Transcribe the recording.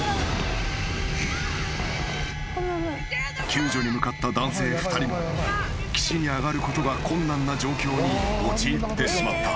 ［救助に向かった男性２人も岸に上がることが困難な状況に陥ってしまった］